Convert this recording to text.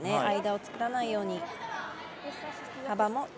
間を作らないように幅も